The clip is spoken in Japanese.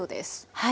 はい。